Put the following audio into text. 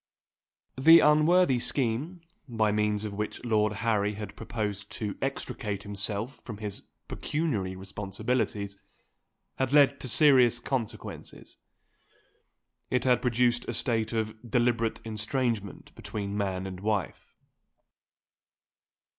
THE unworthy scheme, by means of which Lord Harry had proposed to extricate himself from his pecuniary responsibilities, had led to serious consequences. It had produced a state of deliberate estrangement between man and wife.